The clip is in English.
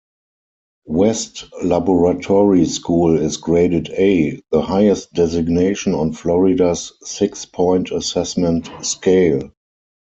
West Laboratory School is graded "A", the highest designation on Florida's six-point assessment scale.